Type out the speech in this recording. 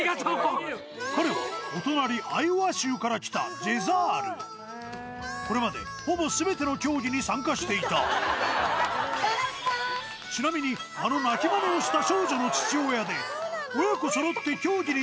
彼はお隣アイオワ州から来たジェザールこれまでほぼ全ての競技に参加していたちなみにあの鳴きマネをした少女の父親でコケ！